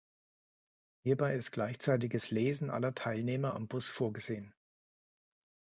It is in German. Hierbei ist gleichzeitiges Lesen aller Teilnehmer am Bus vorgesehen.